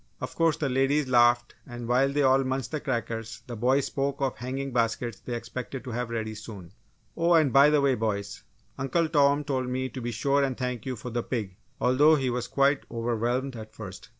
Of course the ladies laughed and while they all munched the crackers the boys spoke of the hanging baskets they expected to have ready soon. "Oh, and by the way, boys, Uncle Tom told me to be sure and thank you for the pig although he was quite overwhelmed at first.